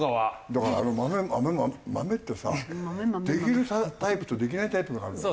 だからあのマメマメってさできるタイプとできないタイプがあるのよ。